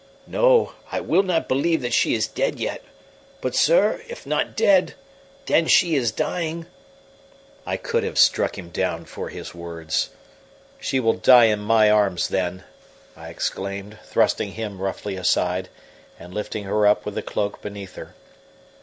"No, I will not believe that she is dead yet; but, sir, if not dead, then she is dying." I could have struck him down for his words. "She will die in my arms, then," I exclaimed, thrusting him roughly aside, and lifting her up with the cloak beneath her.